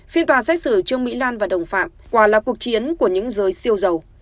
phiên tòa xét xử trương mỹ lan và đồng phạm quả là cuộc chiến của những giới siêu giàu